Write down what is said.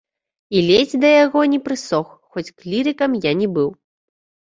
І ледзь да яго не прысох, хоць клірыкам я не быў.